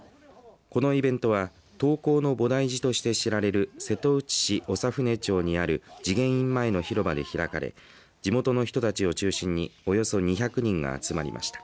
このイベントは、刀工の菩提寺として知られる瀬戸内市長船町にある慈眼院前の広場で開かれ地元の人たちを中心におよそ２００人が集まりました。